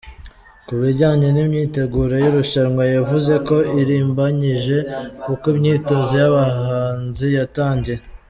Ku bijyanye n’imyiteguro y’irushanwa yavuze ko irimbanyije kuko imyitozo y’abahanzi yatangiye.